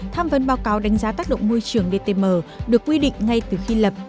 tham vấn báo cáo đánh giá tác động môi trường dtm được quy định ngay từ khi lập